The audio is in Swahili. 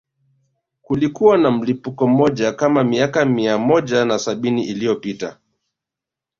Kulikuwa na mlipuko mmoja kama miaka mia moja na sabini iliyopita